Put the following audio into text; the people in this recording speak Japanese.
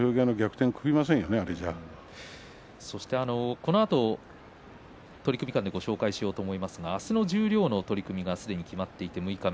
このあと取組間でご紹介しますが明日の十両の取組がすでに決まっています、六日目。